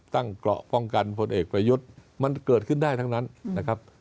ตั้งเกาะป้องกันผลเอกไปยุดมันเกิดขึ้นได้ทั้งนั้นนะครับ